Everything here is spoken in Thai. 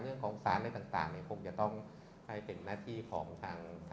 เรื่องของสารอะไรต่างคงจะต้องให้เป็นหน้าที่ของทาง